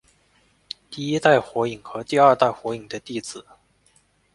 第一代火影和第二代火影的弟子。